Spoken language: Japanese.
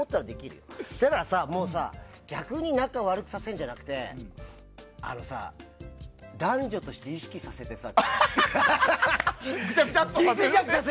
もうさ、逆に仲悪くさせるんじゃなくて男女として意識させてさ。